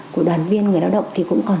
của đoàn viên người đoàn động thì cũng còn